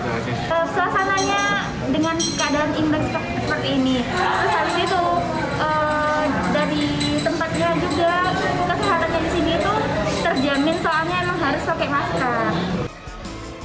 keselamatan yang disini tuh terjamin soalnya harus pakai masker